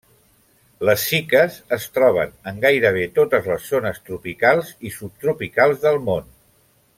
Les ciques es troben en gairebé totes les zones tropicals i subtropicals del món.